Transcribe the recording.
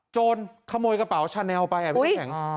โจรขโมยกระเป๋าชาแนลไปอุ๊ย